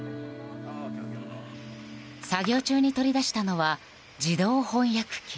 作業中に取り出したのは自動翻訳機。